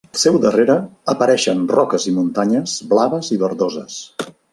Al seu darrere, apareixen roques i muntanyes blaves i verdoses.